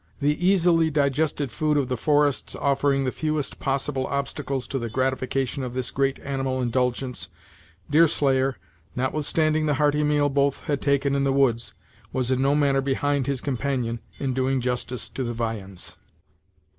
The easily digested food of the forests offering the fewest possible obstacles to the gratification of this great animal indulgence, Deerslayer, notwithstanding the hearty meal both had taken in the woods, was in no manner behind his companion in doing justice to the viands.